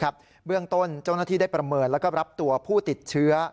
เบื้องต้นเจ้าหน้าที่ได้ประเมินแล้วก็รับตัวผู้ติดเชื้อ